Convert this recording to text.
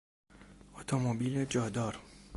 اتومبیل جادار